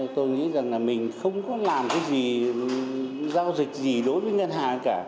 tôi nghĩ rằng là mình không có làm cái gì giao dịch gì đối với ngân hàng cả